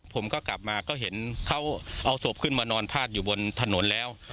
ผมก็กลับมาก็เห็นเขาเอาศพขึ้นมานอนพาดอยู่บนถนนแล้ว